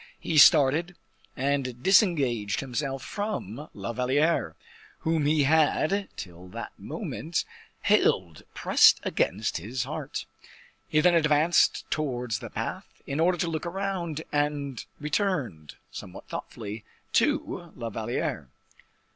He started, and disengaged himself from La Valliere, whom he had, till that moment, held pressed against his heart. He then advanced towards the path, in order to look round, and returned, somewhat thoughtfully, to La Valliere.